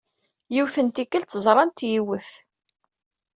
Yiwet n tikkelt, ẓrant yiwet.